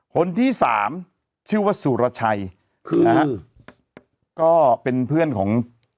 คนที่๓ชื่อว่าสุรชัยก็เป็นเพื่อนของพ่อ